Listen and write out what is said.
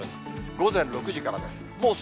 午前６時からです。